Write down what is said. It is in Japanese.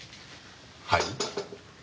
はい？